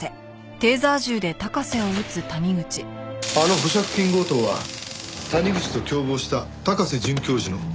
あの保釈金強盗は谷口と共謀した高瀬准教授の自作自演だった。